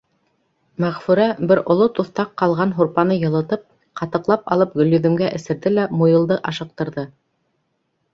Мәғфүрә бер оло туҫтаҡ ҡалған һурпаны йылытып, ҡатыҡлап алып Гөлйөҙөмгә эсерҙе лә Муйылды ашыҡтырҙы: